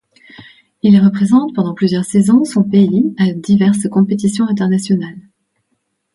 Il représente pendant plusieurs saisons son pays à diverses compétitions internationales.